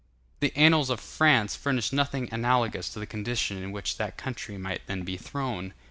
The annals of France furnish nothing analogous to the condition in which that country might then be thrown.